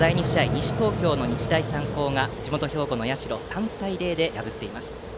西東京の日大三高が地元・兵庫の社を３対０で破っています。